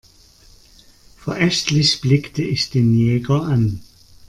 Verächtlich blickte ich den Jäger an.